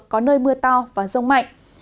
có nơi mưa to và rông mạnh